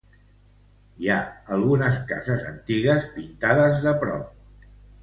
Hi ha algunes cases antigues pintades de prop.